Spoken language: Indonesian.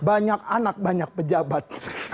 banyak anak banyak pejabat